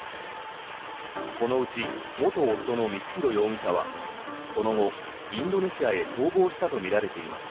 このうち元夫の光弘容疑者はその後、インドネシアへ逃亡したとみられています。